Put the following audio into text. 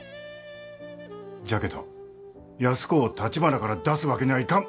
じゃけど安子をたちばなから出すわけにゃあいかん。